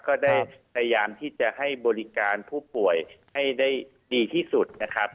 ก็ได้พยายามที่จะให้บริการผู้ป่วยให้ได้ดีที่สุดนะครับ